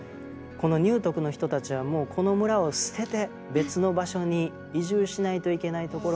このニュートクの人たちはもうこの村を捨てて別の場所に移住しないといけないところまで追い詰められてるんです。